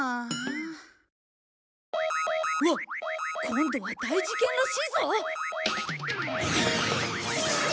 今度は大事件らしいぞ！